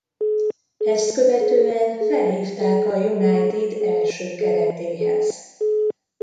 Ezt követően felhívták a United első keretéhez.